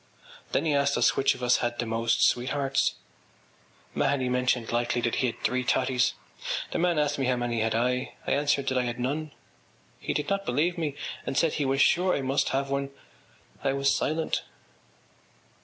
Then he asked us which of us had the most sweethearts. Mahony mentioned lightly that he had three totties. The man asked me how many had I. I answered that I had none. He did not believe me and said he was sure I must have one. I was silent.